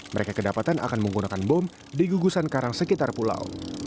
mereka kedapatan akan menggunakan bom di gugusan karang sekitar pulau